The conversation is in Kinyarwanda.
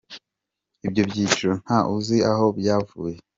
Ibyo by’ibiciro nta uzi aho byavuye.